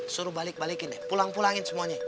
suruh balik balikin deh pulang pulangin semuanya